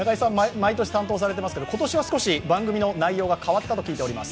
毎年担当されていますけれども、今年は番組の内容がちょっと変わったと聞いております。